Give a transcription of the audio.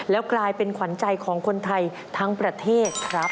แล้วกลายเป็นขวัญใจของคนไทยทั้งประเทศครับ